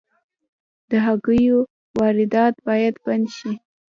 د هګیو واردات باید بند شي